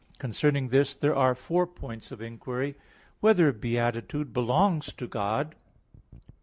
Concerning this, there are four points of inquiry: (1) Whether beatitude belongs to God?